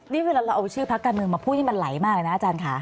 นี่เวลาเราเอาชื่อพักการเมืองมาพูดนี่มันไหลมากเลยนะอาจารย์ค่ะ